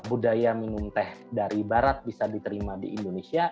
budaya minum teh dari barat bisa diterima di indonesia